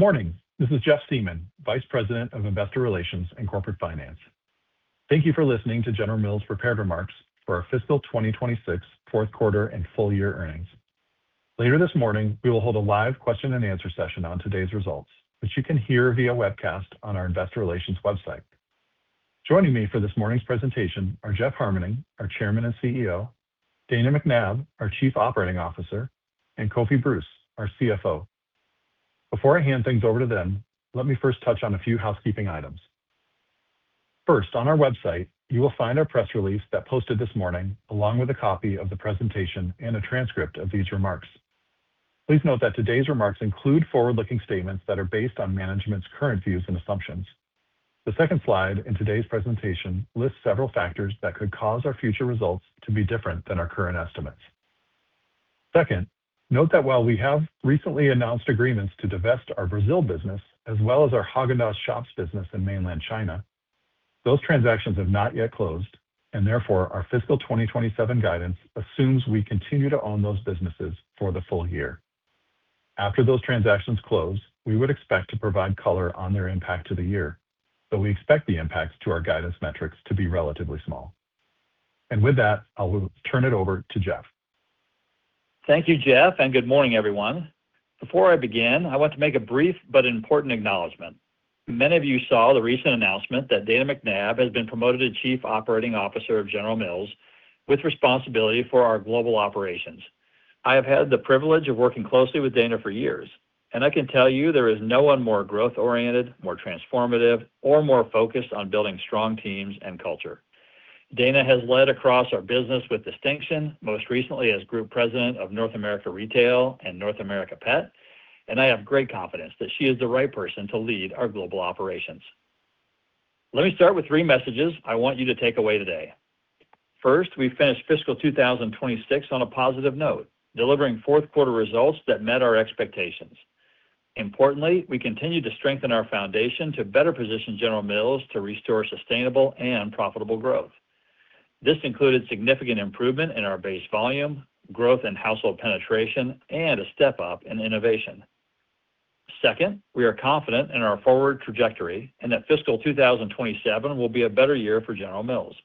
Good morning. This is Jeff Siemon, Vice President of Investor Relations and Corporate Finance. Thank you for listening to General Mills' prepared remarks for our fiscal 2026 fourth quarter and full year earnings. Later this morning, we will hold a live question and answer session on today's results, which you can hear via webcast on our investor relations website. Joining me for this morning's presentation are Jeff Harmening, our Chairman and CEO, Dana McNabb, our Chief Operating Officer, and Kofi Bruce, our CFO. Before I hand things over to them, let me first touch on a few housekeeping items. First, on our website, you will find our press release that was posted this morning, along with a copy of the presentation and a transcript of these remarks. Please note that today's remarks include forward-looking statements that are based on management's current views and assumptions. The second slide in today's presentation lists several factors that could cause our future results to be different than our current estimates. Second, note that while we have recently announced agreements to divest our Brazil business as well as our Häagen-Dazs Shops business in mainland China, those transactions have not yet closed, and therefore, our fiscal 2027 guidance assumes we continue to own those businesses for the full year. After those transactions close, we would expect to provide color on their impact to the year, but we expect the impacts to our guidance metrics to be relatively small. With that, I will turn it over to Jeff. Thank you, Jeff, and good morning, everyone. Before I begin, I want to make a brief but important acknowledgement. Many of you saw the recent announcement that Dana McNabb has been promoted to Chief Operating Officer of General Mills with responsibility for our global operations. I have had the privilege of working closely with Dana for years, and I can tell you there is no one more growth-oriented, more transformative, or more focused on building strong teams and culture. Dana has led across our business with distinction, most recently as Group President of North America Retail and North America Pet. And I have great confidence that she is the right person to lead our global operations. Let me start with three messages I want you to take away today. First, we finished fiscal 2026 on a positive note, delivering fourth quarter results that met our expectations. Importantly, we continue to strengthen our foundation to better position General Mills to restore sustainable and profitable growth. This included significant improvement in our base volume, growth in household penetration, and a step-up in innovation. Second, we are confident in our forward trajectory and that fiscal 2027 will be a better year for General Mills.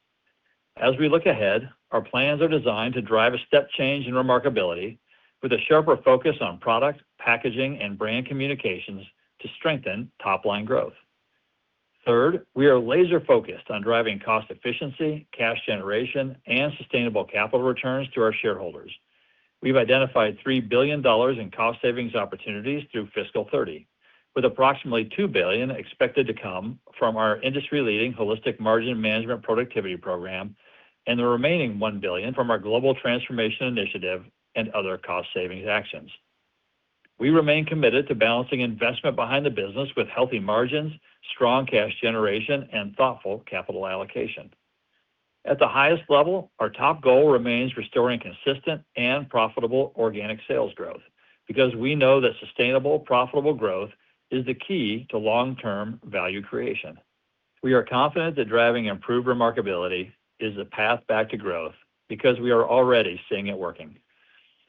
As we look ahead, our plans are designed to drive a step change in remarkability with a sharper focus on product, packaging, and brand communications to strengthen top-line growth. Third, we are laser-focused on driving cost efficiency, cash generation, and sustainable capital returns to our shareholders. We've identified $3 billion in cost savings opportunities through fiscal 2030, with approximately $2 billion expected to come from our industry-leading Holistic Margin Management productivity program and the remaining $1 billion from our global transformation initiative and other cost savings actions. We remain committed to balancing investment behind the business with healthy margins, strong cash generation, and thoughtful capital allocation. At the highest level, our top goal remains restoring consistent and profitable organic sales growth because we know that sustainable profitable growth is the key to long-term value creation. We are confident that driving improved remarkability is the path back to growth because we are already seeing it working.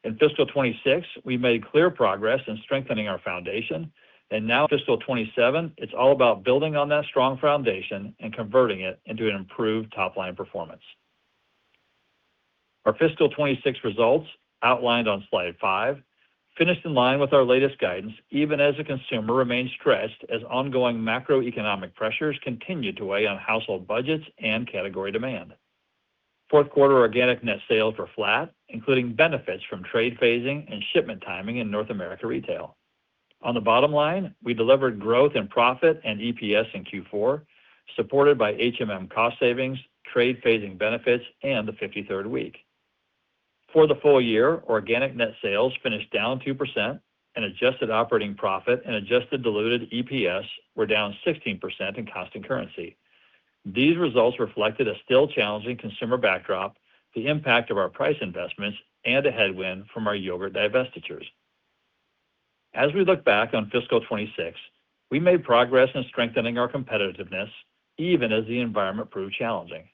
In fiscal 2026, we made clear progress in strengthening our foundation. Now fiscal 2027, it's all about building on that strong foundation and converting it into an improved top-line performance. Our fiscal 2026 results, outlined on slide five, finished in line with our latest guidance, even as the consumer remains stressed as ongoing macroeconomic pressures continue to weigh on household budgets and category demand. Fourth quarter organic net sales were flat, including benefits from trade phasing and shipment timing in North America Retail. On the bottom line, we delivered growth in profit and EPS in Q4, supported by HMM cost savings, trade phasing benefits, and the 53rd week. For the full year, organic net sales finished down 2% and adjusted operating profit and adjusted diluted EPS were down 16% in constant currency. These results reflected a still challenging consumer backdrop, the impact of our price investments, and a headwind from our yogurt divestitures. As we look back at fiscal 2026, we made progress in strengthening our competitiveness, even as the environment proved challenging.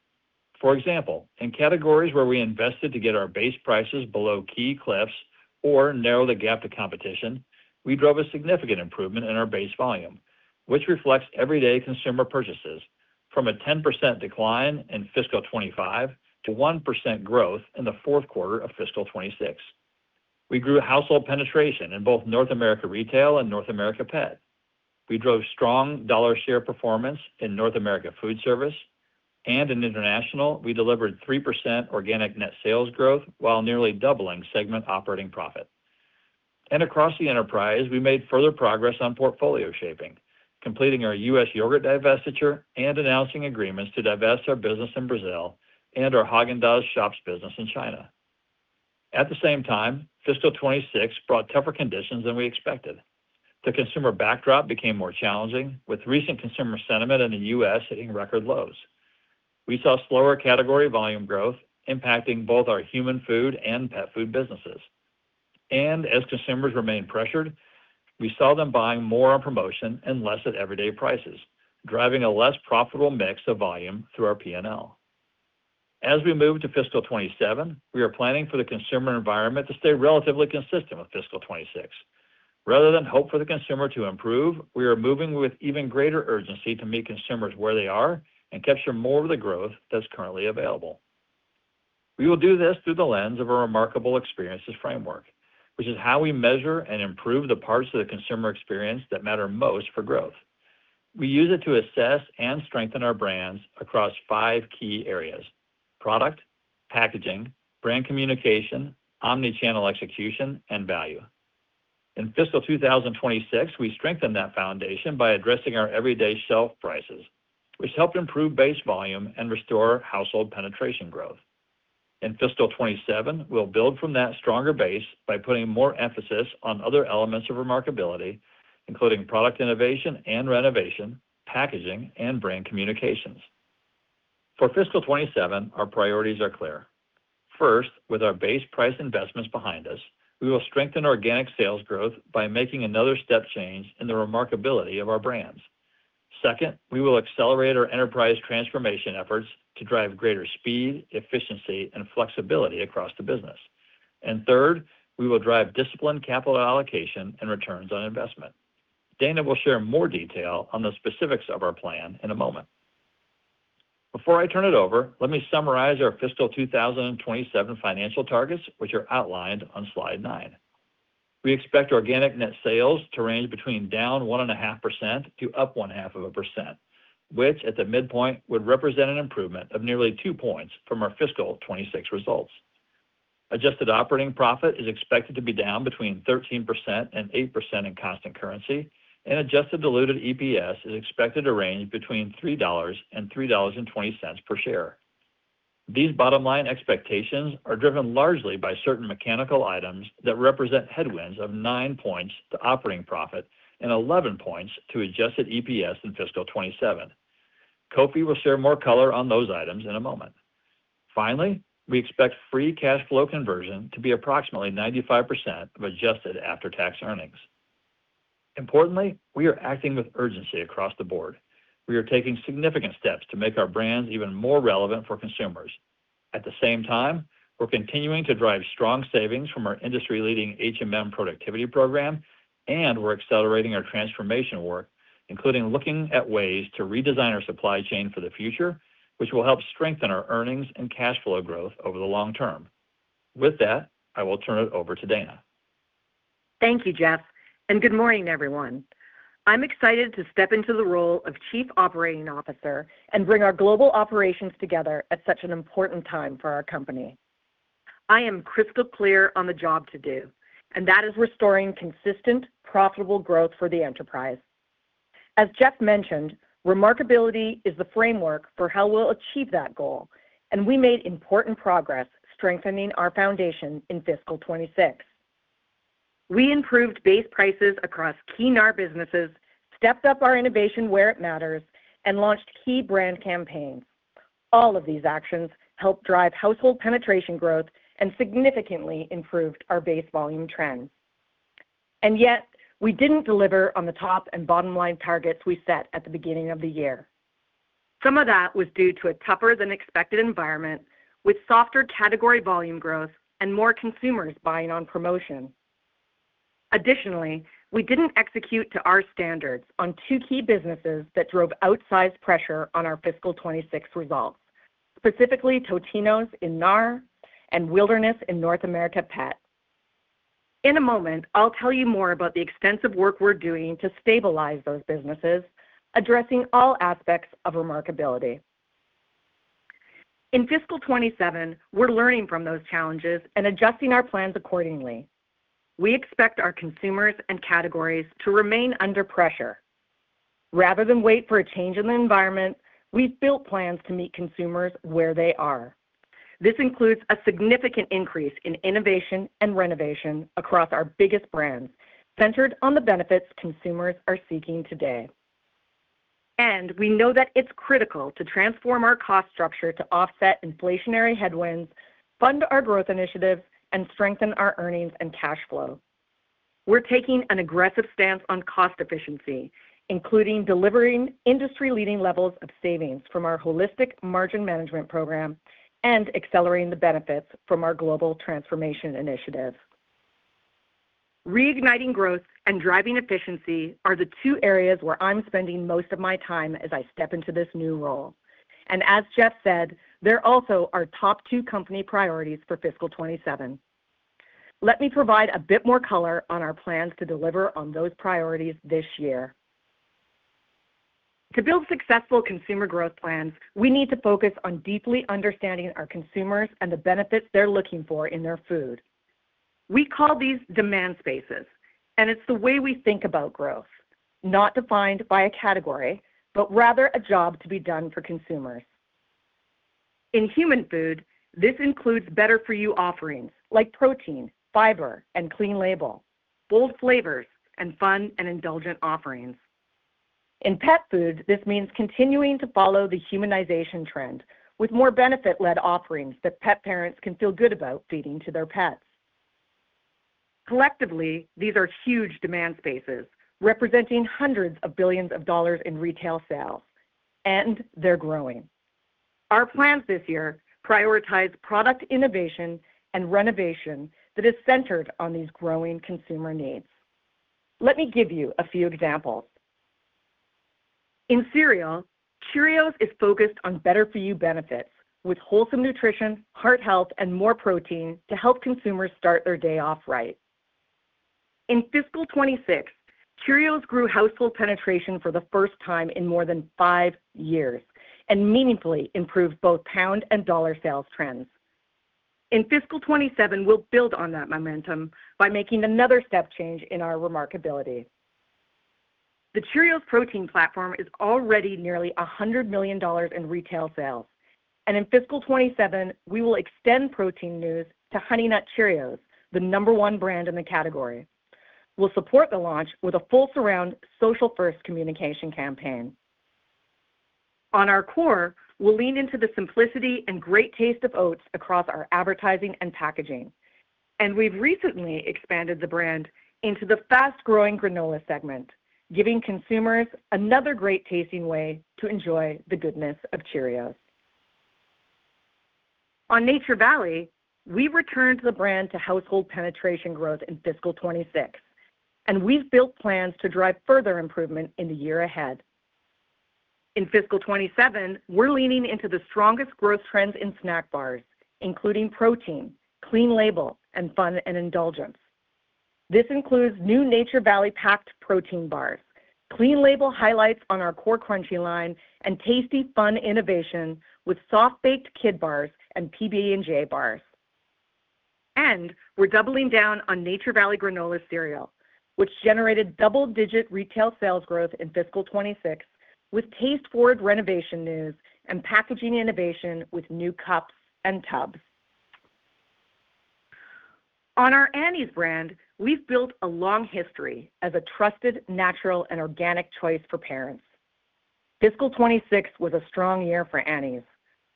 For example, in categories where we invested to get our base prices below key competitors or narrow the gap to competition, we drove a significant improvement in our base volume, which reflects everyday consumer purchases from a 10% decline in fiscal 2025 to 1% growth in the fourth quarter of fiscal 2026. We grew household penetration in both North America Retail and North America Pet. We drove strong dollar share performance in North America Foodservice and in International, we delivered 3% organic net sales growth while nearly doubling segment operating profit. Across the enterprise, we made further progress on portfolio shaping, completing our U.S. yogurt divestiture and announcing agreements to divest our business in Brazil and our Häagen-Dazs Shops business in China. At the same time, fiscal 2026 brought tougher conditions than we expected. The consumer backdrop became more challenging, with recent consumer sentiment in the U.S. hitting record lows. We saw slower category volume growth impacting both our human food and pet food businesses. As consumers remain pressured, we saw them buying more on promotion and less at everyday prices, driving a less profitable mix of volume through our P&L. As we move to fiscal 2027, we are planning for the consumer environment to stay relatively consistent with fiscal 2026. Rather than hope for the consumer to improve, we are moving with even greater urgency to meet consumers where they are and capture more of the growth that's currently available. We will do this through the lens of our remarkable experiences framework, which is how we measure and improve the parts of the consumer experience that matter most for growth. We use it to assess and strengthen our brands across five key areas: product, packaging, brand communication, omni-channel execution, and value. In fiscal 2026, we strengthened that foundation by addressing our everyday shelf prices, which helped improve base volume and restore household penetration growth. In fiscal 2027, we'll build from that stronger base by putting more emphasis on other elements of remarkability, including product innovation and renovation, packaging, and brand communications. For fiscal 2027, our priorities are clear. First, with our base price investments behind us, we will drive organic net sales growth by making another step change in the remarkability of our brands. Second, we will accelerate our enterprise transformation efforts to drive greater speed, efficiency, and flexibility across the business. Third, we will drive disciplined capital allocation and returns on investment. Dana will share more detail on the specifics of our plan in a moment. Before I turn it over, let me summarize our fiscal 2027 financial targets, which are outlined on slide nine. We expect organic net sales to range between down 1.5% and up 0.5%, which at the midpoint would represent an improvement of nearly two points from our fiscal 2026 results. Adjusted operating profit is expected to be down between 13% and 8% in constant currency, and adjusted diluted EPS is expected to range between $3 and $3.20 per share. These bottom-line expectations are driven largely by certain mechanical items that represent headwinds of nine points to operating profit and 11 points to adjusted EPS in fiscal 2027. Kofi will share more color on those items in a moment. Finally, we expect free cash flow conversion to be approximately 95% of adjusted after-tax earnings. Importantly, we are acting with urgency across the board. We are taking significant steps to make our brands even more relevant for consumers. At the same time, we're continuing to drive strong savings from our industry-leading HMM productivity program, and we're accelerating our transformation work, including looking at ways to redesign our supply chain for the future, which will help strengthen our earnings and cash flow growth over the long term. With that, I will turn it over to Dana. Thank you, Jeff, and good morning, everyone. I'm excited to step into the role of Chief Operating Officer and bring our global operations together at such an important time for our company. I am crystal clear on the job to do, and that is restoring consistent, profitable growth for the enterprise. As Jeff mentioned, remarkability is the framework for how we'll achieve that goal, and we made important progress strengthening our foundation in fiscal 2026. We improved base prices across key NAR businesses, stepped up our innovation where it matters, and launched key brand campaigns. All of these actions helped drive household penetration growth and significantly improved our base volume trends. Yet we didn't deliver on the top and bottom-line targets we set at the beginning of the year. Some of that was due to a tougher than expected environment with softer category volume growth and more consumers buying on promotion. Additionally, we didn't execute to our standards on two key businesses that drove outsized pressure on our fiscal 2026 results, specifically Totino's in NAR and Blue Wilderness in North America Pet. In a moment, I'll tell you more about the extensive work we're doing to stabilize those businesses, addressing all aspects of remarkability. In fiscal 2027, we're learning from those challenges and adjusting our plans accordingly. We expect our consumers and categories to remain under pressure. Rather than wait for a change in the environment, we've built plans to meet consumers where they are. This includes a significant increase in innovation and renovation across our biggest brands, centered on the benefits consumers are seeking today. We know that it's critical to transform our cost structure to offset inflationary headwinds, fund our growth initiatives, and strengthen our earnings and cash flow. We're taking an aggressive stance on cost efficiency, including delivering industry-leading levels of savings from our holistic margin management program and accelerating the benefits from our global transformation initiative. Reigniting growth and driving efficiency are the two areas where I'm spending most of my time as I step into this new role. As Jeff said, they're also our top two company priorities for fiscal 2027. Let me provide a bit more color on our plans to deliver on those priorities this year. To build successful consumer growth plans, we need to focus on deeply understanding our consumers and the benefits they're looking for in their food. We call these demand spaces, it's the way we think about growth. Not defined by a category, rather a job to be done for consumers. In human food, this includes better-for-you offerings like protein, fiber, and clean label, bold flavors, and fun and indulgent offerings. In pet food, this means continuing to follow the humanization trend with more benefit-led offerings that pet parents can feel good about feeding to their pets. Collectively, these are huge demand spaces representing hundreds of billions of dollars in retail sales, they're growing. Our plans this year prioritize product innovation and renovation that is centered on these growing consumer needs. Let me give you a few examples. In cereal, Cheerios is focused on better-for-you benefits with wholesome nutrition, heart health, and more protein to help consumers start their day off right. In fiscal 2026, Cheerios grew household penetration for the first time in more than five years and meaningfully improved both pound and dollar sales trends. In fiscal 2027, we'll build on that momentum by making another step change in our remarkability. The Cheerios Protein platform is already nearly $100 million in retail sales. In fiscal 2027, we will extend protein news to Honey Nut Cheerios, the number one brand in the category. We'll support the launch with a full surround social-first communication campaign. On our core, we'll lean into the simplicity and great taste of oats across our advertising and packaging. We've recently expanded the brand into the fast-growing granola segment, giving consumers another great-tasting way to enjoy the goodness of Cheerios. On Nature Valley, we returned the brand to household penetration growth in fiscal 2026. We've built plans to drive further improvement in the year ahead. In fiscal 2027, we're leaning into the strongest growth trends in snack bars, including protein, clean label, and fun and indulgence. This includes new Nature Valley Packed Protein bars, clean label highlights on our core Crunchy line, and tasty, fun innovations with soft-baked kid bars and PB&J bars. We're doubling down on Nature Valley Granola cereal, which generated double-digit retail sales growth in fiscal 2026 with taste-forward renovation news and packaging innovation with new cups and tubs. On our Annie's brand, we've built a long history as a trusted natural and organic choice for parents. Fiscal 2026 was a strong year for Annie's,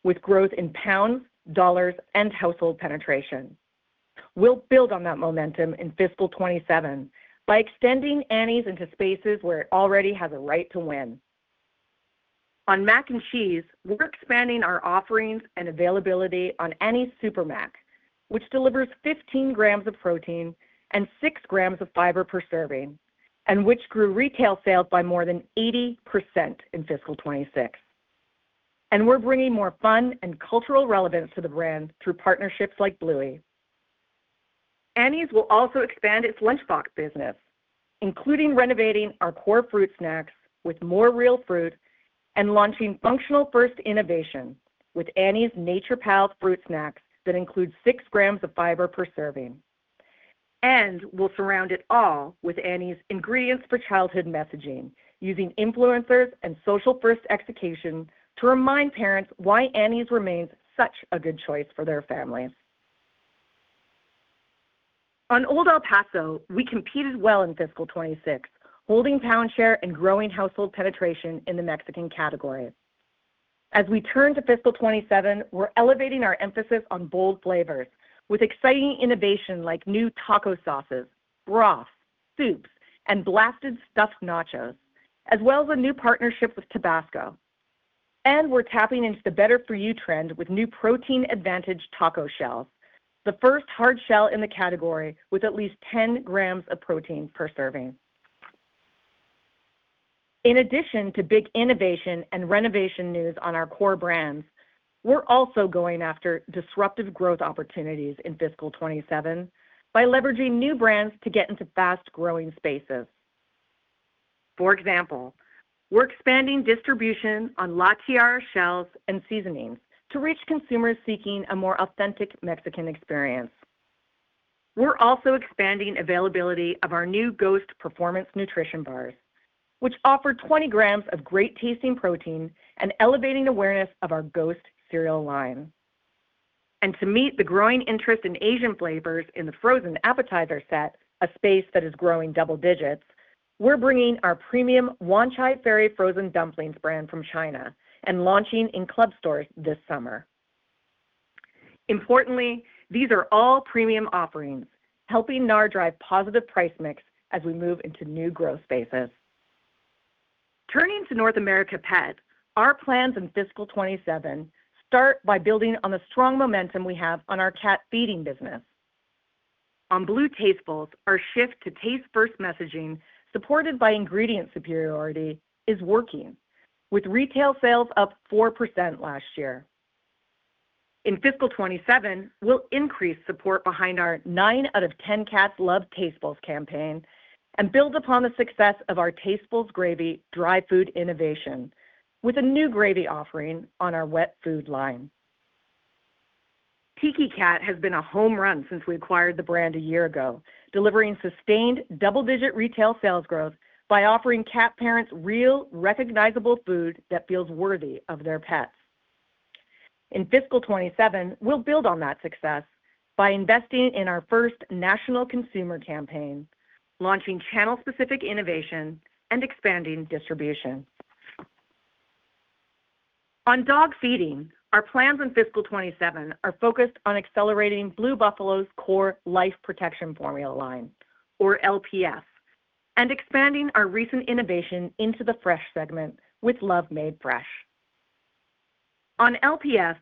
with growth in pounds, dollars, and household penetration. We'll build on that momentum in fiscal 2027 by extending Annie's into spaces where it already has a right to win. On mac and cheese, we're expanding our offerings and availability on Annie's SuperMac, which delivers 15 g of protein and 6 g of fiber per serving, and which grew retail sales by more than 80% in fiscal 2026. We're bringing more fun and cultural relevance to the brand through partnerships like Bluey. Annie's will also expand its lunchbox business, including renovating our core fruit snacks with more real fruit and launching functional-first innovation with Annie's Organic Nature Pals fruit snacks that includes 6 g of fiber per serving. We'll surround it all with Annie's Ingredients for Childhood messaging, using influencers and social-first execution to remind parents why Annie's remains such a good choice for their families. On Old El Paso, we competed well in fiscal 2026, holding pound share and growing household penetration in the Mexican category. As we turn to fiscal 2027, we're elevating our emphasis on bold flavors with exciting innovation like new taco sauces, broths, soups, and Blasted Stuffed Nachos, as well as a new partnership with Tabasco. We're tapping into the better-for-you trend with new protein-advantaged taco shells, the first hard shell in the category with at least 10 g of protein per serving. In addition to big innovation and renovation news on our core brands, we're also going after disruptive growth opportunities in fiscal 2027 by leveraging new brands to get into fast-growing spaces. For example, we're expanding distribution on La Tiara shells and seasonings to reach consumers seeking a more authentic Mexican experience. We're also expanding availability of our new Ghost performance nutrition bars, which offer 20 g of great-tasting protein and elevating awareness of our Ghost cereal line. To meet the growing interest in Asian flavors in the frozen appetizer set, a space that is growing double digits, we're bringing our premium Wanchai Ferry frozen dumplings brand from China and launching in club stores this summer. Importantly, these are all premium offerings, helping drive positive price mix as we move into new growth spaces. Turning to North America Pet, our plans in fiscal 2027 start by building on the strong momentum we have on our cat feeding business. On Blue Tastefuls, our shift to taste-first messaging, supported by ingredient superiority, is working, with retail sales up 4% last year. In fiscal 2027, we'll increase support behind our nine out of 10 cats love Tastefuls campaign and build upon the success of our Tastefuls Gravy dry food innovation with a new gravy offering on our wet food line. Tiki Cat has been a home run since we acquired the brand a year ago, delivering sustained double-digit retail sales growth by offering cat parents real, recognizable food that feels worthy of their pets. In fiscal 2027, we will build on that success by investing in our first national consumer campaign, launching channel-specific innovation, and expanding distribution. On dog feeding, our plans in fiscal 2027 are focused on accelerating Blue Buffalo's core Life Protection Formula line, or LPF, and expanding our recent innovation into the fresh segment with Love Made Fresh. On LPF,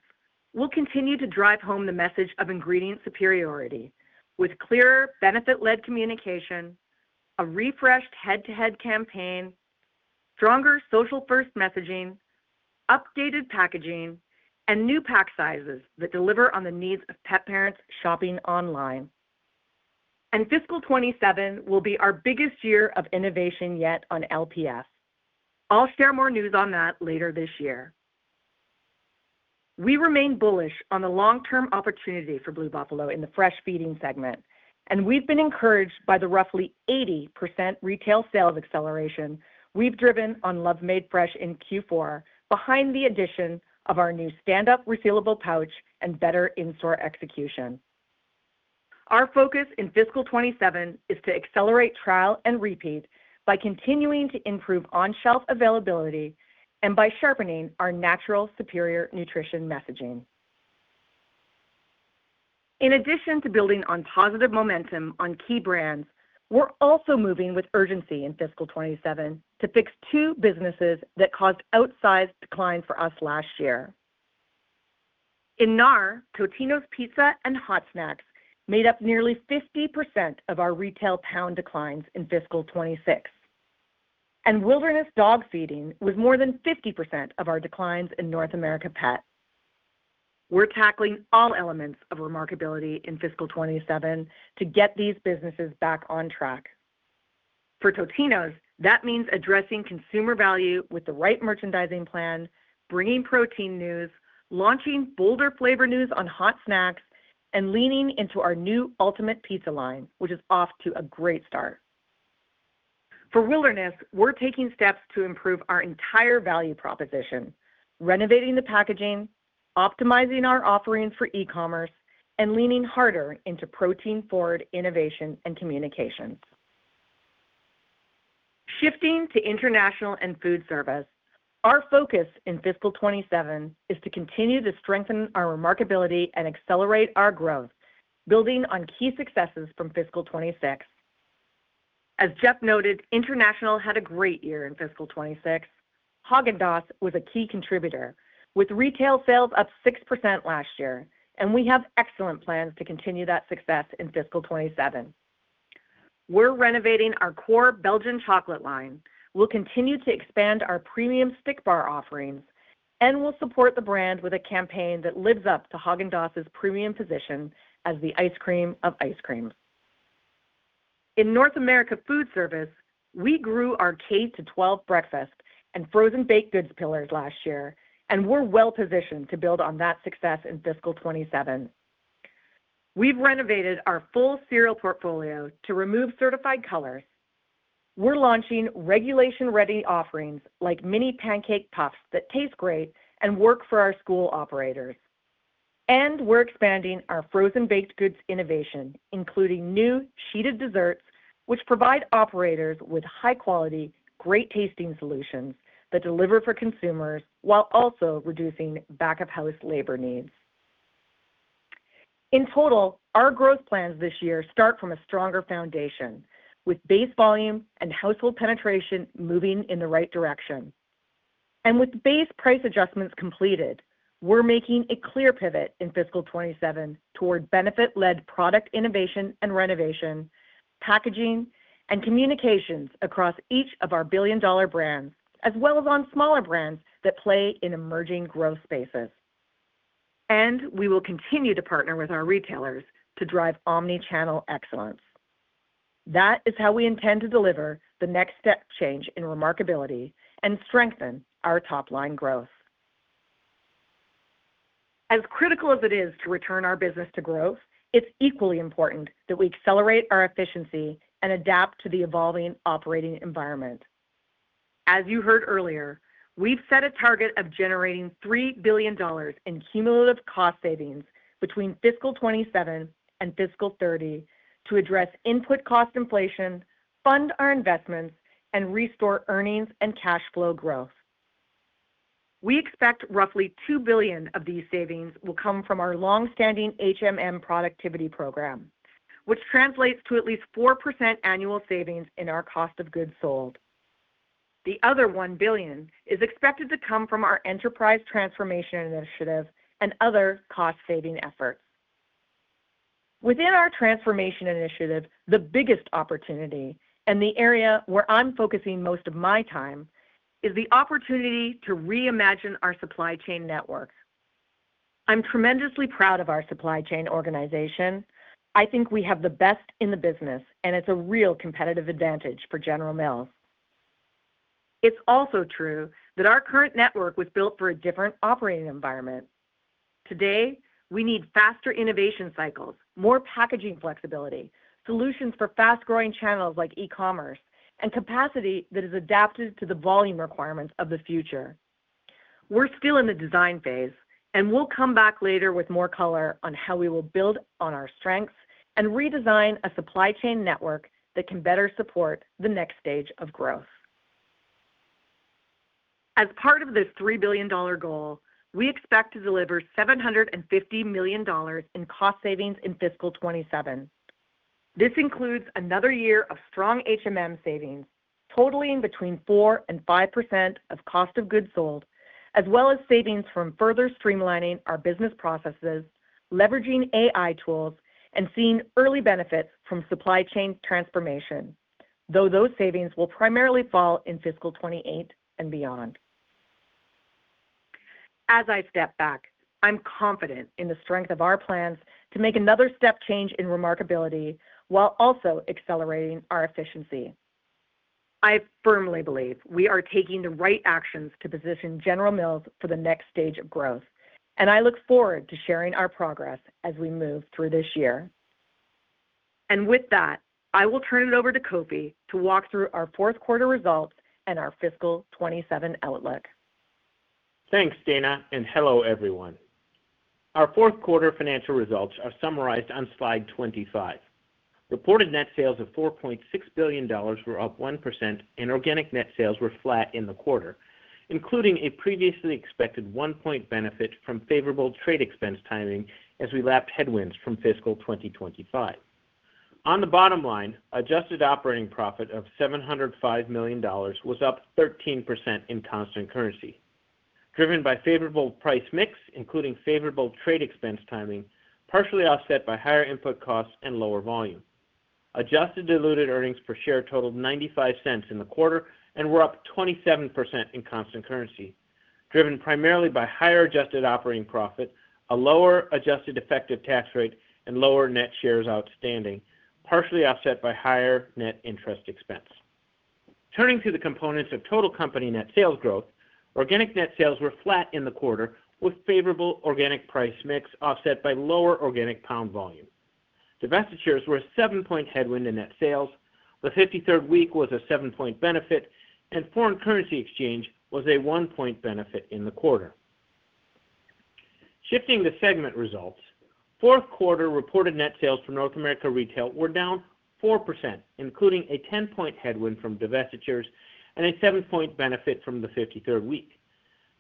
we will continue to drive home the message of ingredient superiority with clearer benefit-led communication, a refreshed head-to-head campaign, stronger social-first messaging, updated packaging, and new pack sizes that deliver on the needs of pet parents shopping online. Fiscal 2027 will be our biggest year of innovation yet on LPF. I will share more news on that later this year. We remain bullish on the long-term opportunity for Blue Buffalo in the fresh feeding segment, and we have been encouraged by the roughly 80% retail sales acceleration we have driven on Love Made Fresh in Q4 behind the addition of our new standup resealable pouch and better in-store execution. Our focus in fiscal 2027 is to accelerate trial and repeat by continuing to improve on-shelf availability and by sharpening our natural superior nutrition messaging. In addition to building on positive momentum on key brands, we are also moving with urgency in fiscal 2027 to fix two businesses that caused outsized decline for us last year. In NAR, Totino's Pizza and Hot Snacks made up nearly 50% of our retail volume declines in fiscal 2026, and Wilderness dog feeding was more than 50% of our declines in North America Pet. We are tackling all elements of remarkability in fiscal 2027 to get these businesses back on track. For Totino's, that means addressing consumer value with the right merchandising plan, bringing protein news, launching bolder flavor news on Hot Snacks, and leaning into our new Ultimate Pizza line, which is off to a great start. For Wilderness, we are taking steps to improve our entire value proposition, renovating the packaging, optimizing our offerings for e-commerce, and leaning harder into protein-forward innovation and communications. Shifting to international and food service, our focus in fiscal 2027 is to continue to strengthen our remarkability and accelerate our growth, building on key successes from fiscal 2026. As Jeff noted, international had a great year in fiscal 2026. Häagen-Dazs was a key contributor, with retail sales up 6% last year, and we have excellent plans to continue that success in fiscal 2027. We are renovating our core Belgian chocolate line, we will continue to expand our premium stick bar offerings, and we will support the brand with a campaign that lives up to Häagen-Dazs's premium position as the ice cream of ice creams. In North America Foodservice, we grew our K-12 breakfast and frozen baked goods pillars last year, and we are well positioned to build on that success in fiscal 2027. We have renovated our full cereal portfolio to remove artificial flavors and certified colors. We are launching regulation-ready offerings like mini pancake puffs that taste great and work for our school operators. We are expanding our frozen baked goods innovation, including new sheeted desserts, which provide operators with high-quality, great-tasting solutions that deliver for consumers while also reducing back-of-house labor needs. In total, our growth plans this year start from a stronger foundation, with base volume and household penetration moving in the right direction. With base price adjustments completed, we're making a clear pivot in fiscal 2027 toward benefit-led product innovation and renovation, packaging, and communications across each of our billion-dollar brands, as well as on smaller brands that play in emerging growth spaces. We will continue to partner with our retailers to drive omni-channel excellence. That is how we intend to deliver the next step change in remarkability and strengthen our top-line growth. As critical as it is to return our business to growth, it's equally important that we accelerate our efficiency and adapt to the evolving operating environment. As you heard earlier, we've set a target of generating $3 billion in cumulative cost savings between fiscal 2027 and fiscal 2030 to address input cost inflation, fund our investments, and restore earnings and cash flow growth. We expect roughly $2 billion of these savings will come from our long-standing HMM productivity program, which translates to at least 4% annual savings in our cost of goods sold. The other $1 billion is expected to come from our enterprise transformation initiative and other cost-saving efforts. Within our transformation initiative, the biggest opportunity and the area where I'm focusing most of my time is the opportunity to reimagine our supply chain network. I'm tremendously proud of our supply chain organization. I think we have the best in the business, and it's a real competitive advantage for General Mills. It's also true that our current network was built for a different operating environment. Today, we need faster innovation cycles, more packaging flexibility, solutions for fast-growing channels like e-commerce, and capacity that is adapted to the volume requirements of the future. We're still in the design phase. We'll come back later with more color on how we will build on our strengths and redesign a supply chain network that can better support the next stage of growth. As part of this $3 billion goal, we expect to deliver $750 million in cost savings in fiscal 2027. This includes another year of strong HMM savings totaling between 4%-5% of cost of goods sold, as well as savings from further streamlining our business processes, leveraging AI tools, and seeing early benefits from supply chain transformation, though those savings will primarily fall in fiscal 2028 and beyond. I step back, I'm confident in the strength of our plans to make another step change in remarkability while also accelerating our efficiency. I firmly believe we are taking the right actions to position General Mills for the next stage of growth. I look forward to sharing our progress as we move through this year. With that, I will turn it over to Kofi to walk through our fourth quarter results and our fiscal 2027 outlook. Thanks, Dana, and hello, everyone. Our fourth quarter financial results are summarized on slide 25. Reported net sales of $4.61 billion were up 1%, and organic net sales were flat in the quarter, including a previously expected one-point benefit from favorable trade expense timing as we lapped headwinds from fiscal 2025. On the bottom line, adjusted operating profit of $705 million was up 13% in constant currency, driven by favorable price mix, including favorable trade expense timing, partially offset by higher input costs and lower volume. Adjusted diluted earnings per share totaled $0.95 in the quarter and were up 27% in constant currency, driven primarily by higher adjusted operating profit, a lower adjusted effective tax rate, and lower net shares outstanding, partially offset by higher net interest expense. Turning to the components of total company net sales growth, organic net sales were flat in the quarter with favorable organic price mix offset by lower organic pound volume. Divestitures were a seven-point headwind in net sales. The 53rd week was a seven-point benefit, and foreign currency exchange was a one-point benefit in the quarter. Shifting to segment results, fourth quarter reported net sales for North America Retail were down 4%, including a 10-point headwind from divestitures and a seven-point benefit from the 53rd week.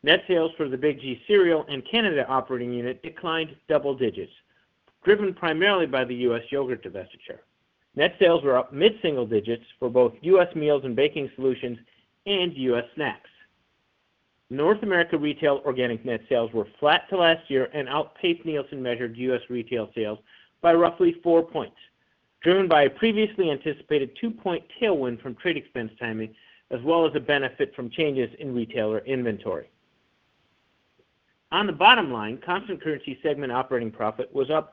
Net sales for the Big G Cereal in Canada operating unit declined double digits, driven primarily by the U.S. yogurt divestiture. Net sales were up mid-single digits for both U.S. Meals and Baking Solutions and U.S. Snacks. North America Retail organic net sales were flat to last year and outpaced Nielsen-measured U.S. retail sales by roughly four points, driven by a previously anticipated two-point tailwind from trade expense timing, as well as a benefit from changes in retailer inventory. On the bottom line, constant currency segment operating profit was up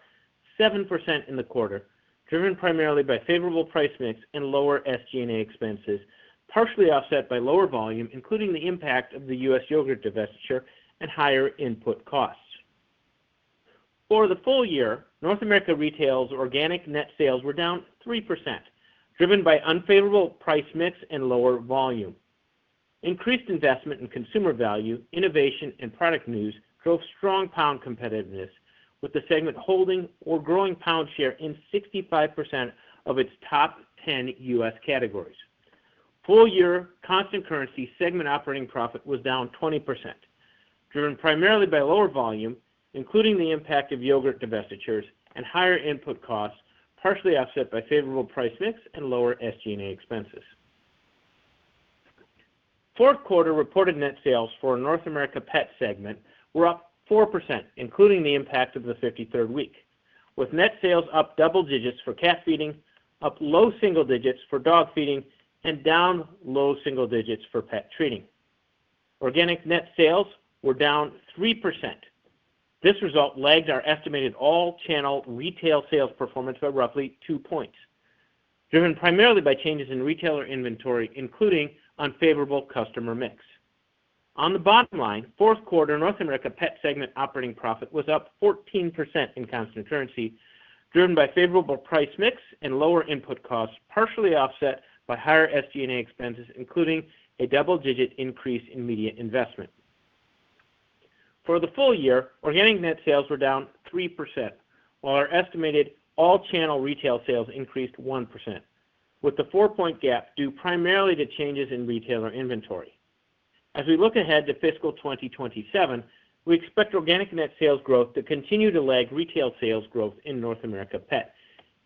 7% in the quarter, driven primarily by favorable price mix and lower SG&A expenses, partially offset by lower volume, including the impact of the U.S. yogurt divestiture and higher input costs. For the full year, North America Retail's organic net sales were down 3%, driven by unfavorable price mix and lower volume. Increased investment in consumer value, innovation, and product news drove strong pound competitiveness with the segment holding or growing volume share in 65% of its top 10 U.S. categories. Full-year constant currency segment operating profit was down 20%, driven primarily by lower volume, including the impact of yogurt divestitures and higher input costs, partially offset by favorable price mix and lower SG&A expenses. Fourth quarter reported net sales for North America Pet segment were up 4%, including the impact of the 53rd week, with net sales up double digits for cat feeding, up low single digits for dog feeding, and down low single digits for pet treating. Organic net sales were down 3%. This result lagged our estimated all-channel retail sales performance by roughly two points, driven primarily by changes in retailer inventory, including unfavorable customer mix. On the bottom line, fourth quarter North America Pet segment operating profit was up 14% in constant currency, driven by favorable price mix and lower input costs, partially offset by higher SG&A expenses, including a double-digit increase in media investment. For the full year, organic net sales were down 3%, while our estimated all-channel retail sales increased 1%, with the four-point gap due primarily to changes in retailer inventory. As we look ahead to fiscal 2027, we expect organic net sales growth to continue to lag retail sales growth in North America Pet,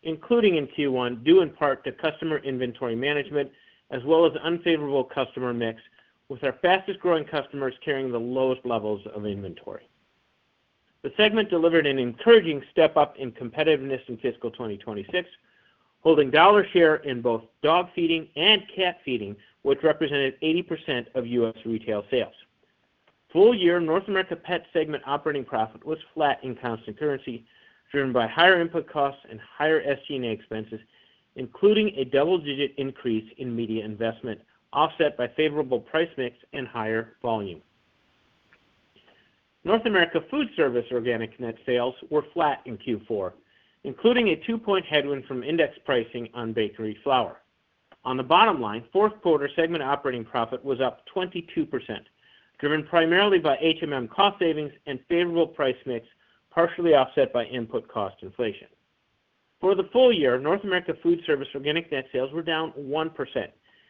including in Q1, due in part to customer inventory management as well as unfavorable customer mix with our fastest-growing customers carrying the lowest levels of inventory. The segment delivered an encouraging step-up in competitiveness in fiscal 2026, holding market share in both dog feeding and cat feeding, which represented 80% of U.S. retail sales. Full-year North America Pet segment operating profit was flat in constant currency, driven by higher input costs and higher SG&A expenses, including a double-digit increase in media investment offset by favorable price mix and higher volume. North America Foodservice organic net sales were flat in Q4, including a two-point headwind from index pricing on bakery flour. On the bottom line, fourth quarter segment operating profit was up 22%, driven primarily by HMM cost savings and favorable price mix, partially offset by input cost inflation. For the full year, North America Foodservice organic net sales were down 1%,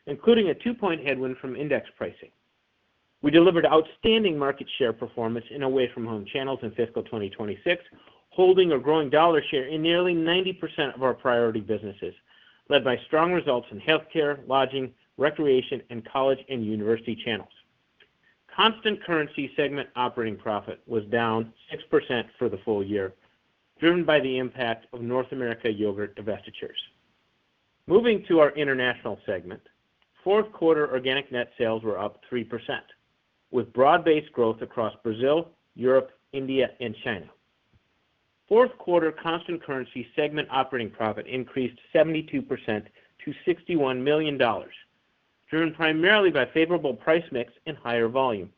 including a two-point headwind from index pricing. We delivered outstanding market share performance in away-from-home channels in fiscal 2026, holding a growing dollar share in nearly 90% of our priority businesses, led by strong results in healthcare, lodging, recreation, and college and university channels. Constant currency segment operating profit was down 6% for the full year, driven by the impact of North America yogurt divestitures. Moving to our international segment, fourth quarter organic net sales were up 3%, with broad-based growth across Brazil, Europe, India and China. Fourth quarter constant currency segment operating profit increased 72% to $61 million, driven primarily by favorable price mix and higher volume,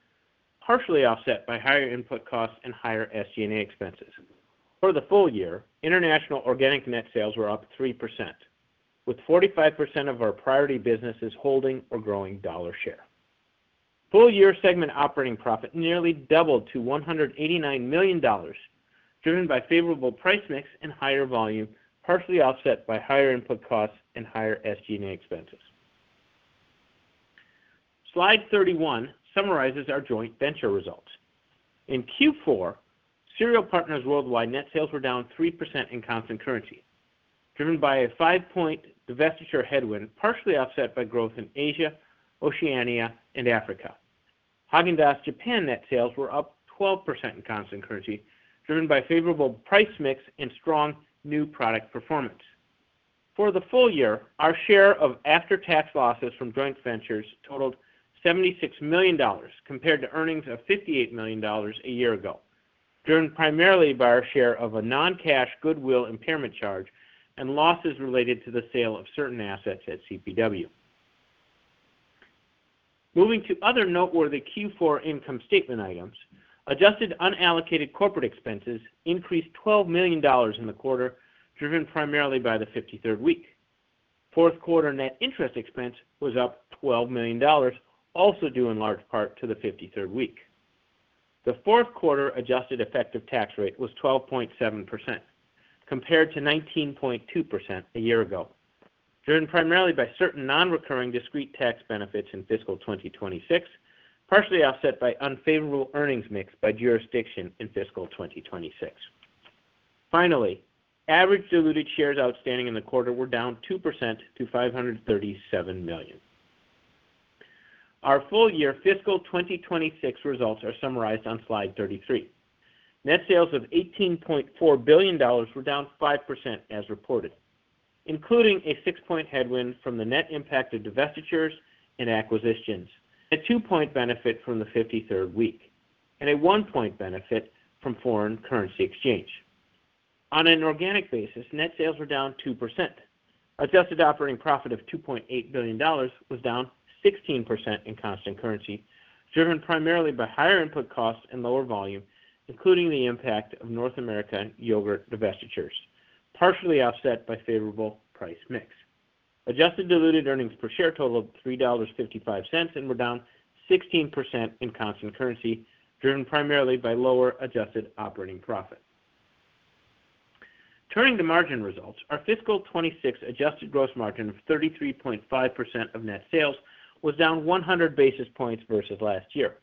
partially offset by higher input costs and higher SG&A expenses. For the full year, international organic net sales were up 3%, with 45% of our priority businesses holding or growing market share. Full-year segment operating profit nearly doubled to $189 million, driven by favorable price mix and higher volume, partially offset by higher input costs and higher SG&A expenses. Slide 31 summarizes our joint venture results. In Q4, Cereal Partners Worldwide net sales were down 3% in constant currency, driven by a five-point divestiture headwind, partially offset by growth in Asia, Oceania and Africa. Häagen-Dazs Japan net sales were up 12% in constant currency, driven by favorable price mix and strong new product performance. For the full year, our share of after-tax losses from joint ventures totaled $76 million, compared to earnings of $58 million a year ago, driven primarily by our share of a non-cash goodwill impairment charge and losses related to the sale of certain assets at CPW. Moving to other noteworthy Q4 income statement items, adjusted unallocated corporate expenses increased $12 million in the quarter, driven primarily by the 53rd week. Fourth quarter net interest expense was up $12 million, also due in large part to the 53rd week. The fourth quarter adjusted effective tax rate was 21.1% compared to 20.2% a year ago, driven primarily by certain non-recurring discrete tax benefits in fiscal 2026, partially offset by unfavorable earnings mix by jurisdiction in fiscal 2026. Finally, average diluted shares outstanding in the quarter were down 2% to 537 million. Our full-year fiscal 2026 results are summarized on slide 33. Net sales of $18.4 billion were down 5% as reported, including a six-point headwind from the net impact of divestitures and acquisitions, a two-point benefit from the 53rd week, and a one-point benefit from foreign currency exchange. On an organic basis, net sales were down 2%. Adjusted operating profit of $2.8 billion was down 16% in constant currency, driven primarily by higher input costs and lower volume, including the impact of North America yogurt divestitures, partially offset by favorable price mix. Adjusted diluted earnings per share totaled $3.55 and were down 16% in constant currency, driven primarily by lower adjusted operating profit. Turning to margin results, our FY 2026 adjusted gross margin of 33.5% of net sales was down 100 basis points versus last year,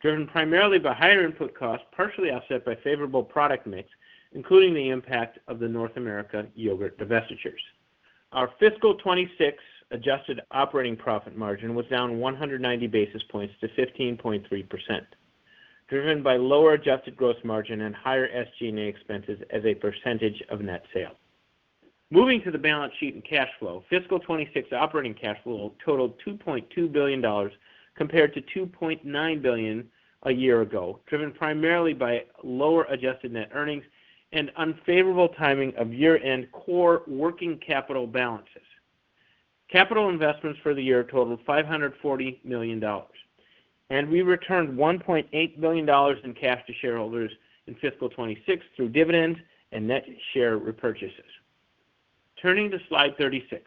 driven primarily by higher input costs, partially offset by favorable product mix, including the impact of the North America yogurt divestitures. Our FY 2026 adjusted operating profit margin was down 190 basis points to 15.3%, driven by lower adjusted gross margin and higher SG&A expenses as a percentage of net sales. Moving to the balance sheet and cash flow, FY 2026 operating cash flow totaled $2.2 billion compared to $2.9 billion a year ago, driven primarily by lower adjusted net earnings and unfavorable timing of year-end core working capital balances. Capital investments for the year totaled $540 million, and we returned $1.8 billion in cash to shareholders in FY 2026 through dividends and net share repurchases. Turning to slide 36,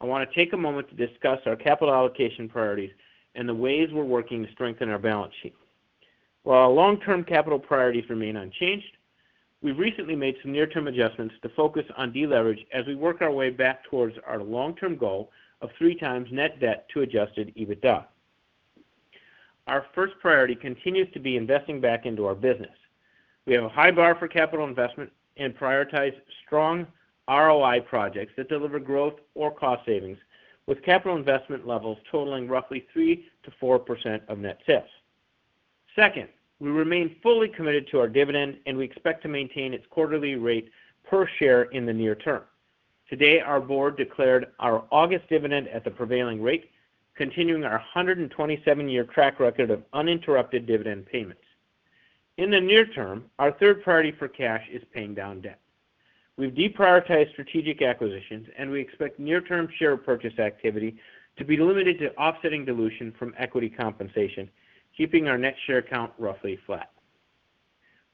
I want to take a moment to discuss our capital allocation priorities and the ways we're working to strengthen our balance sheet. While our long-term capital priorities remain unchanged, we've recently made some near-term adjustments to focus on de-leverage as we work our way back towards our long-term goal of 3x net debt to adjusted EBITDA. Our first priority continues to be investing back into our business. We have a high bar for capital investment and prioritize strong ROI projects that deliver growth or cost savings with capital investment levels totaling roughly 3%-4% of net sales. Second, we remain fully committed to our dividend, and we expect to maintain its quarterly rate per share in the near term. Today, our board declared our August dividend at the prevailing rate, continuing our 127-year track record of uninterrupted dividend payments. In the near term, our third priority for cash is paying down debt. We've deprioritized strategic acquisitions, we expect near-term share purchase activity to be limited to offsetting dilution from equity compensation, keeping our net share count roughly flat.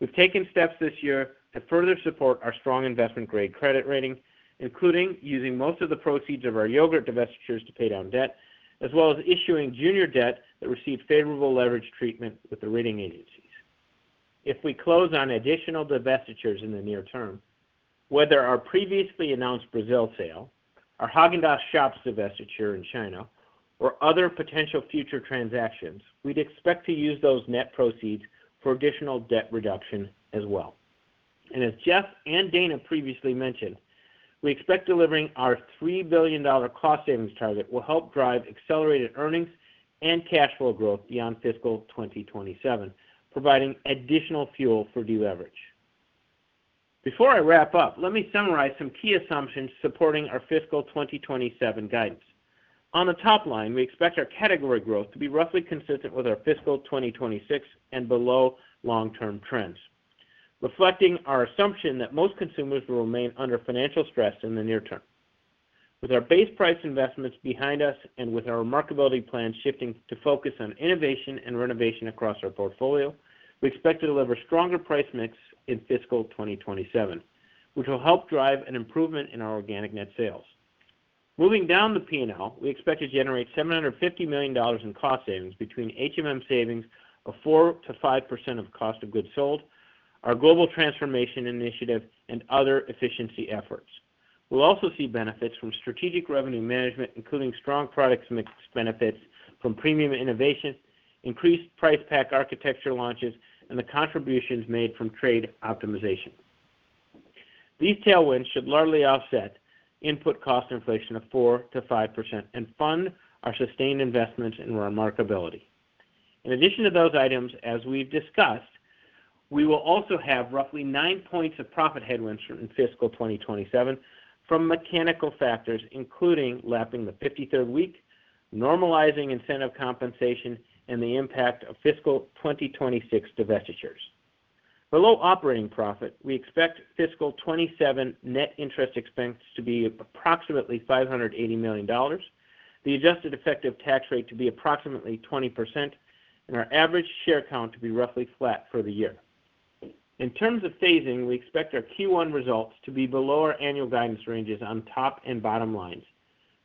We've taken steps this year to further support our strong investment-grade credit rating, including using most of the proceeds of our yogurt divestitures to pay down debt, as well as issuing junior debt that received favorable leverage treatment with the rating agencies. If we close on additional divestitures in the near term, whether our previously announced business in Brazil sale, our Häagen-Dazs Shops divestiture in China, or other potential future transactions, we'd expect to use those net proceeds for additional debt reduction as well. As Jeff and Dana previously mentioned, we expect delivering our $3 billion cost savings target will help drive accelerated earnings and cash flow growth beyond FY 2027, providing additional fuel for de-leverage. Before I wrap up, let me summarize some key assumptions supporting our fiscal 2027 guidance. On the top line, we expect our category growth to be roughly consistent with our fiscal 2026 and below long-term trends, reflecting our assumption that most consumers will remain under financial stress in the near term. With our base price investments behind us, and with our remarkability plan shifting to focus on innovation and renovation across our portfolio, we expect to deliver stronger price mix in fiscal 2027, which will help drive an improvement in our organic net sales. Moving down the P&L, we expect to generate $750 million in cost savings between HMM savings of 4%-5% of cost of goods sold, our global transformation initiative, and other efficiency efforts. We'll also see benefits from strategic revenue management, including strong products mix benefits from premium innovation, increased price pack architecture launches, and the contributions made from trade optimization. These tailwinds should largely offset input cost inflation of 4%-5% and fund our sustained investments in remarkability. In addition to those items, as we've discussed, we will also have roughly nine points of profit headwinds in fiscal 2027 from mechanical factors, including lapping the 53rd week, normalizing incentive compensation, and the impact of fiscal 2026 divestitures. Below operating profit, we expect fiscal 2027 net interest expense to be approximately $580 million, the adjusted effective tax rate to be approximately 20%, and our average share count to be roughly flat for the year. In terms of phasing, we expect our Q1 results to be below our annual guidance ranges on top and bottom lines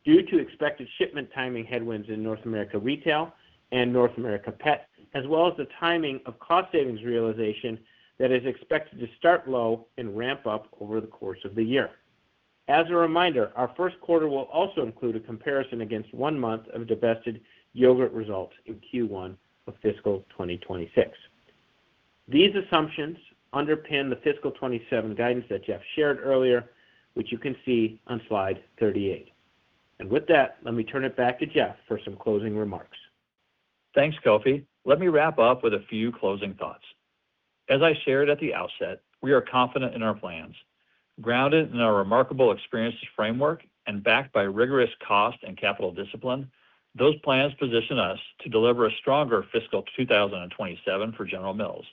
due to expected shipment timing headwinds in North America Retail and North America Pet, as well as the timing of cost savings realization that is expected to start low and ramp up over the course of the year. As a reminder, our first quarter will also include a comparison against one month of divested yogurt results in Q1 of fiscal 2026. These assumptions underpin the fiscal 2027 guidance that Jeff shared earlier, which you can see on slide 38. With that, let me turn it back to Jeff for some closing remarks. Thanks, Kofi. Let me wrap up with a few closing thoughts. As I shared at the outset, we are confident in our plans. Grounded in our remarkable experiences framework and backed by rigorous cost and capital discipline, those plans position us to deliver a stronger fiscal 2027 for General Mills.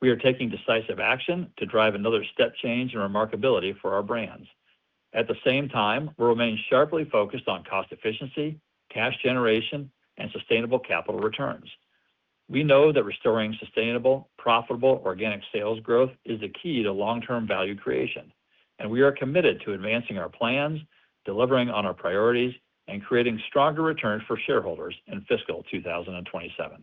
We are taking decisive action to drive another step change in remarkability for our brands. At the same time, we remain sharply focused on cost efficiency, cash generation, and sustainable capital returns. We know that restoring sustainable, profitable organic sales growth is the key to long-term value creation, and we are committed to advancing our plans, delivering on our priorities, and creating stronger returns for shareholders in fiscal 2027.